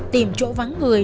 tìm chỗ vắng người